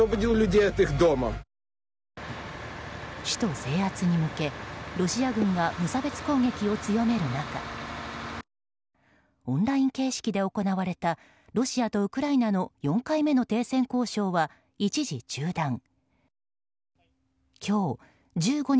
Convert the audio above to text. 首都制圧に向けロシア軍が無差別攻撃を強める中オンライン形式で行われたロシアとウクライナの４回目の停戦交渉は一時中断。